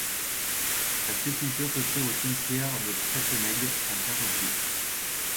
Sa sépulture se trouve au cimetière de Preitenegg en Carinthie.